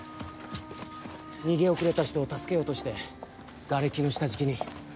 逃げ遅れた人を助けようとしてがれきの下敷きに。